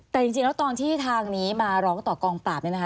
แต่จริงแล้วตอนที่ทางนี้มาร้องต่อกองปราบเนี่ยนะคะ